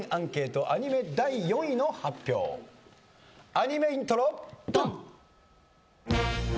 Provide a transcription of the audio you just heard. アニメイントロドン！